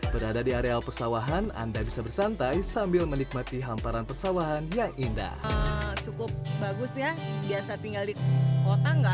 berada di areal persawahan anda bisa bersantai sambil menikmati hamparan persawahan yang indah